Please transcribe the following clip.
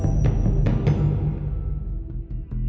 เวลาที่สุดท้าย